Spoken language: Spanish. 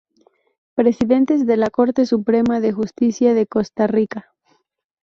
Presidentes de la Corte Suprema de Justicia de Costa Rica